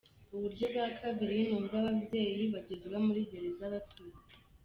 Uburyo bwa kabiri ni ubw’ababyeyi bagezwa muri gereza batwite.